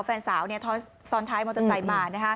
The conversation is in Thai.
แฟนสาวซ้อนท้ายมอเตอร์ไซค์มา